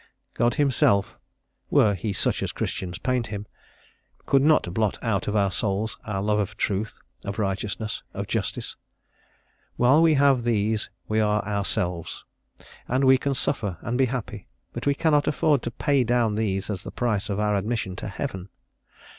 God Himself were He such as Christians paint Him could not blot out of our souls our love of truth, of righteousness, of justice. While we have these we are ourselves, and we can suffer and be happy; but we cannot afford to pay down these as the price of our admission to heaven.